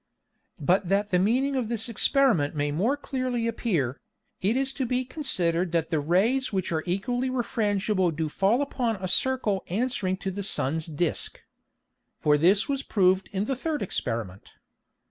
[Illustration: FIG. 15] But that the meaning of this Experiment may more clearly appear, it is to be considered that the Rays which are equally refrangible do fall upon a Circle answering to the Sun's Disque. For this was proved in the third Experiment.